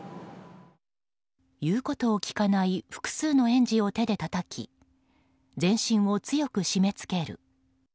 言うことを聞かない複数の園児を手でたたき全身を強く締めつける。